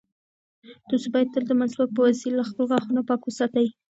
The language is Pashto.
تاسو باید تل د مسواک په وسیله خپل غاښونه پاک وساتئ.